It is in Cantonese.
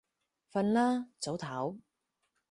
瞓啦，早唞